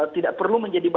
tidak perlu menjadi pola